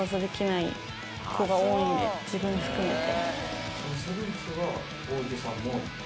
自分含めて。